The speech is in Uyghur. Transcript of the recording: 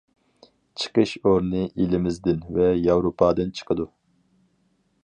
چىقىش ئورنى ئېلىمىزدىن ۋە ياۋروپادىن چىقىدۇ.